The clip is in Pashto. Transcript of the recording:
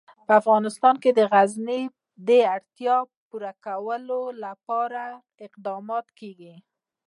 په افغانستان کې د غزني د اړتیاوو پوره کولو لپاره اقدامات کېږي.